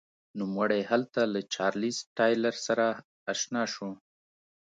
نوموړی هلته له چارلېز ټایلر سره اشنا شو.